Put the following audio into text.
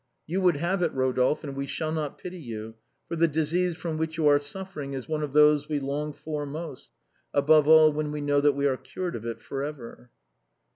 You would have it, Eodolphe, and we shall not pity you, for the disease from which you are suffering is one of those we long for most, above all when we know that we are cured of it for ever.